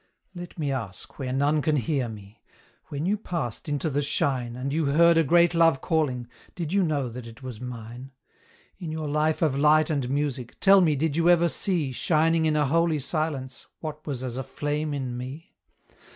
Let me ask, where none can hear me When you passed into the shine, And you heard a great love calling, did you know that it was mine? In your life of light and music, tell me did you ever see, Shining in a holy silence, what was as a flame in me?